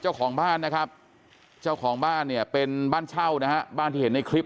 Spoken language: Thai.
เจ้าของบ้านนะครับเจ้าของบ้านเนี่ยเป็นบ้านเช่านะฮะบ้านที่เห็นในคลิป